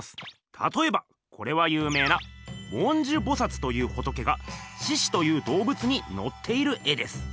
たとえばこれは有名な文殊菩薩という仏が獅子という動物にのっている絵です。